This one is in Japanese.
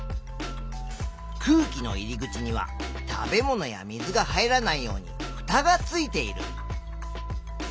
空気の入り口には食べ物や水が入らないようにふたがついている。